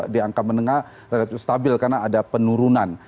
di angka menengah relatif stabil karena ada penurunan